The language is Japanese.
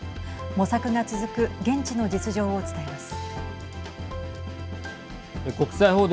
模索が続く現地の実情を伝えます。